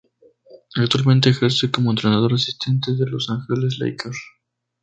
Actualmente ejerce como entrenador asistente de Los Angeles Lakers.